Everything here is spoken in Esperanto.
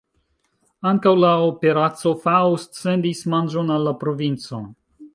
Ankaŭ la Operaco Faust sendis manĝon al la provinco.